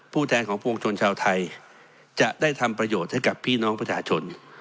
แทนของปวงชนชาวไทยจะได้ทำประโยชน์ให้กับพี่น้องประชาชน